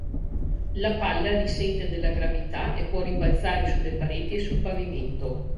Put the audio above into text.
La palla risente della gravità e può rimbalzare sulle pareti e sul pavimento.